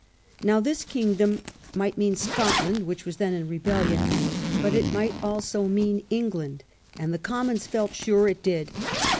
Now, "this kingdom" might mean Scotland, which was then in rebellion; but it might also mean England, and the Commons felt sure it did.